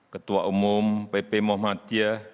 ketua umum pp mohd